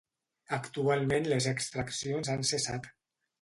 Actualment les extraccions han cessat.